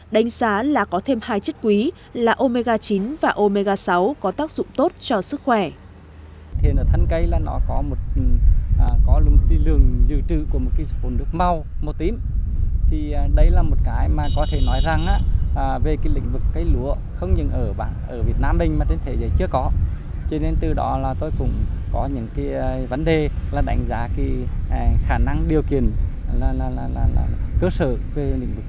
đánh giá là có thêm hai chất quý là omega chín và omega sáu có tác dụng tốt cho sức khỏe